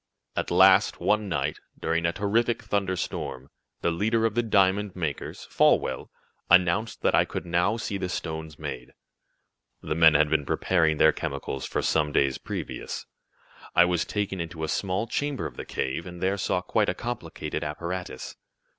"At last one night, during a terrific thunder storm, the leader of the diamond makers Folwell announced that I could now see the stones made. The men had been preparing their chemicals for some days previous. I was taken into a small chamber of the cave, and there saw quite a complicated apparatus.